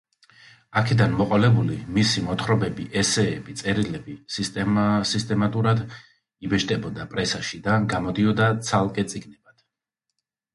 აქედან მოყოლებული მისი მოთხრობები, ესეები, წერილები სისტემატურად იბეჭდებოდა პრესაში და გამოდიოდა ცალკე წიგნებად.